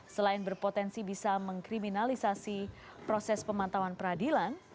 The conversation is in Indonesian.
selain berpotensi bisa mengkriminalisasi proses pemantauan peradilan